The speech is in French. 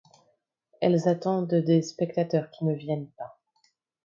Elles attendent des spectateurs qui ne viennent pas.